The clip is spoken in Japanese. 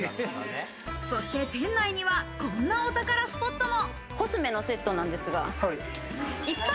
そして店内には、こんなお宝スポットも。